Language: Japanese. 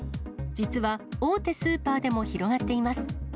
実は、大手スーパーでも広がっています。